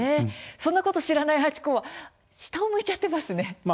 それを知らないハチ公は下を向いちゃってますね。